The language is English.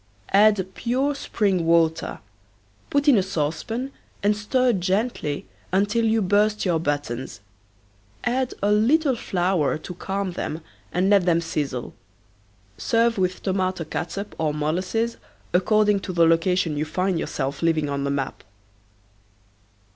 Add pure spring water, put in a saucepan and stir gently until you burst your buttons. Add a little flour to calm them and let them sizzle. Serve with tomato catsup or molasses, according to the location you find yourself living on the map.